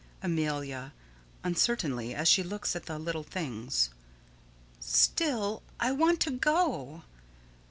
Amelia: [Uncertainly, as she looks at the little things.] Still I want to go.